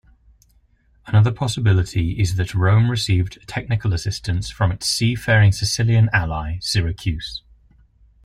Another possibility is that Rome received technical assistance from its seafaring Sicilian ally, Syracuse.